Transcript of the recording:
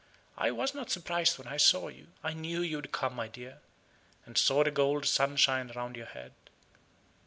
I was not surprised when I saw you. I knew you would come, my dear, and saw the gold sunshine round your head."